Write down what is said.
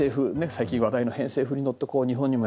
最近話題の偏西風に乗って日本にもやって来る。